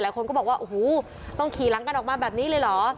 คนก็บอกว่าโอ้โหต้องขี่หลังกันออกมาแบบนี้เลยเหรอ